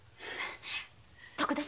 徳田様